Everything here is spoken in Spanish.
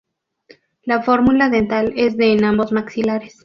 La fórmula dental es de en ambos maxilares.